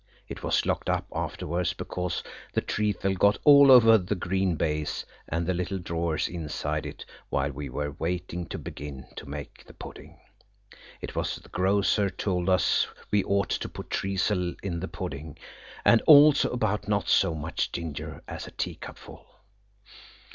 It was locked up afterwards because the treacle got all over the green baize and the little drawers inside it while we were waiting to begin to make the pudding. It was the grocer told us we ought to put treacle in the pudding, and also about not so much ginger as a teacupful.